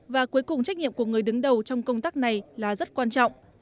và cuối cùng trách nhiệm của người đứng đầu trong công tác này là rất quan trọng